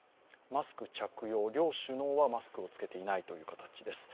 マスク着用、両首脳はマスクを着けていないという形です。